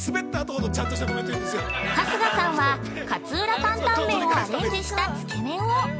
◆春日さんは、勝浦タンタンメンをアレンジしたつけ麺を。